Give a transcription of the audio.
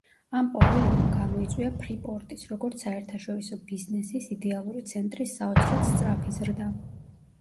ამ ყოველივემ გამოიწვია ფრიპორტის, როგორც საერთაშორისო ბიზნესის იდეალური ცენტრის საოცრად სწრაფი ზრდა.